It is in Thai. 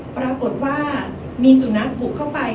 ปรากฏว่ามีสุนัขบุกเข้าไป